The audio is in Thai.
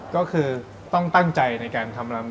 ก็คือต้องตั้งใจในการทำบะหมี่